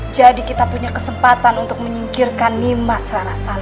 jadi kita punya kesempatan untuk menyingkirkan nimas rarasanta